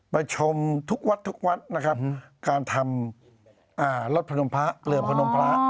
ไปชมทุกวัดทุกวัดนะครับการทำรถพนมพระเรืองพนมพระ